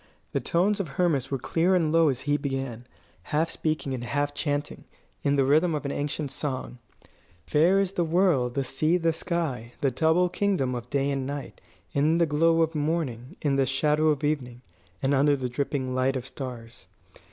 The tones of Hermas were clear and low as he began, half speaking and half chanting, in the rhythm of an ancient song: "Fair is the world, the sea, the sky, the double kingdom of day and night, in the glow of morning, in the shadow of evening, and under the dripping light of stars.